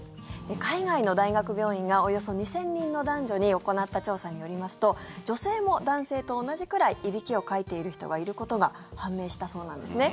海外の大学病院がおよそ２０００人の男女に行った調査によりますと女性も男性と同じくらいいびきをかいている人がいることが判明したそうなんですね。